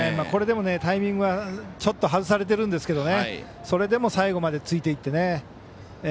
これでもタイミングはちょっと外されてるんですけどそれでも最後までついていってね。